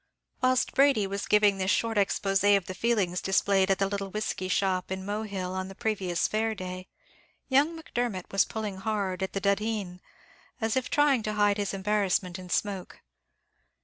Whilst Brady was giving this short exposé of the feelings displayed at the little whiskey shop in Mohill on the previous fair day, young Macdermot was pulling hard at the dhudheen, as if trying to hide his embarrassment in smoke.